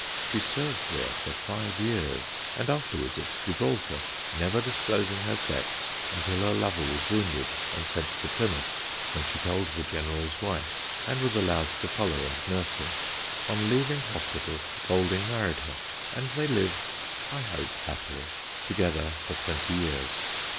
She served there for five years, and afterwards at Gibraltar, never disclosing her sex until her lover was wounded and sent to Plymouth, when she told the General's wife, and was allowed to follow and nurse him. On leaving hospital Golding married her, and they lived, I hope happily, together for twenty years.